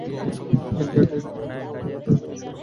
কিন্তু এটাই তো একটা মুভির ঐতিহাসিক অংশ।